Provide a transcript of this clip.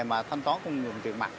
mà thanh toán không dùng tiền mặt